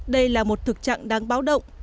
đây là một thực trạng đáng báo động